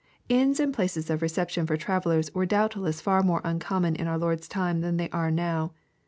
'] Inns and places of reception for travellers were doubtless far more uncommon in our Lord's time tlian they are now.